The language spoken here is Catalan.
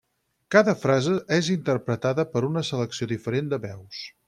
Cada frase és interpretada per una selecció diferent de veus.